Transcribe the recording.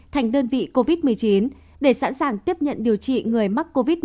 thành đơn vị covid một mươi chín để sẵn sàng tiếp nhận điều trị người mắc covid một mươi chín